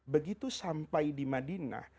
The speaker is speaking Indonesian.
begitu sampai di madinah